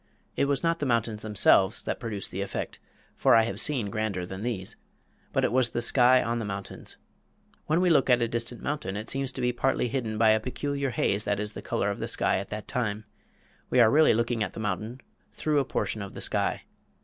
It was not the mountains themselves that produced the effect, for I had seen grander than these; but it was the sky on the mountains. When we look at a distant mountain it seems to be partly hidden by a peculiar haze that is the color of the sky at that time; we are really looking at the mountain through a portion of the sky.